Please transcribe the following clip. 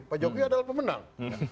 pak jokowi adalah pemenang